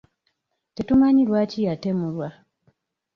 Tetumanyi lwaki yatemulwa.